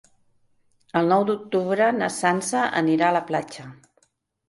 El nou d'octubre na Sança anirà a la platja.